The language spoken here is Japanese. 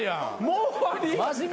もう終わり？